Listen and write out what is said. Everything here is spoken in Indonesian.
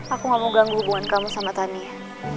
aku gak mau ganggu hubungan kamu sama tania